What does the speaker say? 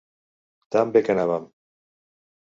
Tan bé que anàvem!